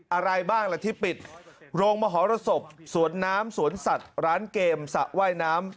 อะไรบ้างล่ะที่ปิดโรงมหรสบสวนน้ำสวนสัตว์ร้านเกมสระว่ายน้ำ